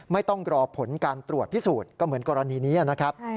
ไม่ต้องรอผลการตรวจพิสูจน์ก็เหมือนกรณีนี้นะครับ